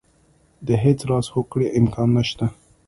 د هېڅ راز هوکړې امکان نه شته.